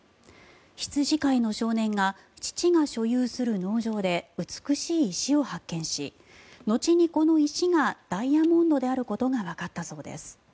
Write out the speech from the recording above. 羊飼いの少年が父が所有する農場で美しい石を発見し後にこの石がダイヤモンドであることがわかったそうです。